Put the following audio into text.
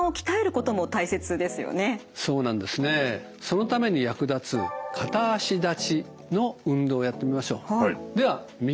そのために役立つ片足立ちの運動をやってみましょう。